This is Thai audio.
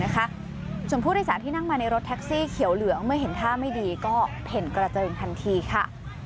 ส่วนผู้โดยสารที่นั่งมาในรถแท็กซี่เขียวเหลืองเมื่อเห็นท่าไม่ดีก็เพ่นกระเจิงทันทีค่ะ